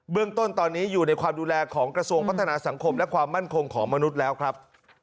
เรื่องต้นตอนนี้อยู่ในความดูแลของกระทรวงพัฒนาสังคมและความมั่นคงของมนุษย์แล้วครับ